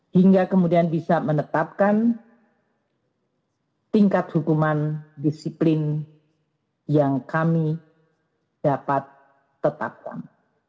hingga kemudian bisa menetapkan tingkat hukuman disiplin yang kami dapat tetapkan